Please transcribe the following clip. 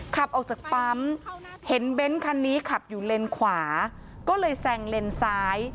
ขับออกจากปั๊มเห็นเบนท์คันนี้ขับอยู่เลนขวาก็เลยแซงเลนซ้าย